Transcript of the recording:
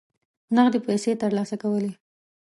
نغدي پیسې ترلاسه کولې.